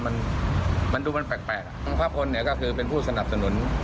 มันมันดูมันแปลกน้องพระพลเนี่ยก็คือเป็นผู้สนับสนุน